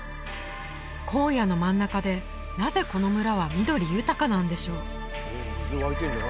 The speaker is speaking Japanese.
荒野の真ん中でなぜこの村は緑豊かなんでしょう？